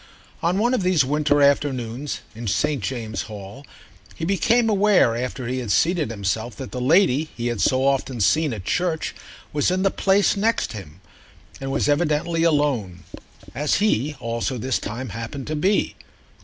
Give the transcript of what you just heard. On one of these winter afternoons, in St. James's Hall, he became aware after he had seated himself that the lady he had so often seen at church was in the place next him and was evidently alone, as he also this time happened to be.